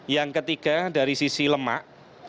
yang ketiga dari sisi lemak